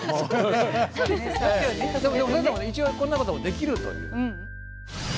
それでも一応こんなこともできるという。